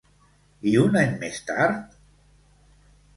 I un any més tard?